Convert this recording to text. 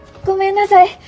ごめんなさい！